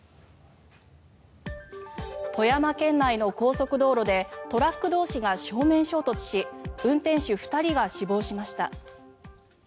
富山県内の高速道路でトラック同士が正面衝突し運転手２人が死亡しました。